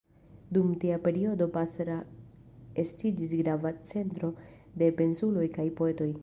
Dum tia periodo Basra estiĝis grava centro de pensuloj kaj poetoj.